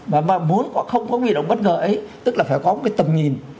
và muốn không có bi động bất ngờ ấy tức là phải có một cái tầm nhìn